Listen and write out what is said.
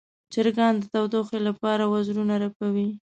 چرګان د تودوخې لپاره وزرونه رپوي.